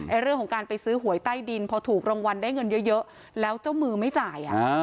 เรื่องของการไปซื้อหวยใต้ดินพอถูกรางวัลได้เงินเยอะแล้วเจ้ามือไม่จ่าย